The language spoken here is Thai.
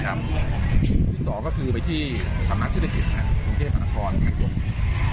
ที่สองก็คือไปที่สำนักเศรษฐกิจ